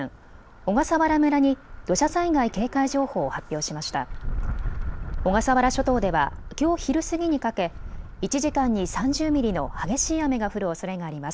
小笠原諸島ではきょう昼過ぎにかけ１時間に３０ミリの激しい雨が降るおそれがあります。